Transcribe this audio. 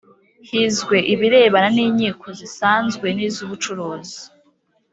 Hizwe ibirebana n’inkiko zisanzwe n’iz’ubucuruzi